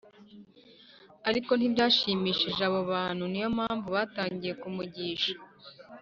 ariko ntibyashimishije abo bantu Ni yo mpamvu batangiye kumugisha